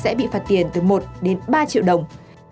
sẽ bị phạt tiền từ một ba triệu đồng